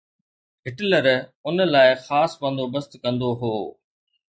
Hitler ان لاءِ خاص بندوبست ڪندو هو.